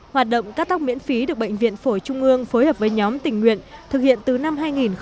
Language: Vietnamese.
hoạt động cắt tóc miễn phí được bệnh viện phổi trung ương phối hợp với nhóm tình nguyện thực hiện từ năm hai nghìn một mươi